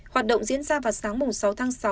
hoạt động diễn ra vào sáng sáu tháng sáu